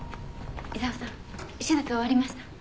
伊沢さん手術終わりました。